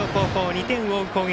２点を追う攻撃。